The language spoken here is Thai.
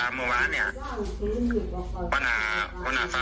แกนอะแต่เกิดตายนี่แค่ระหน้าถึงยิงไต